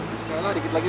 bisa lah dikit lagi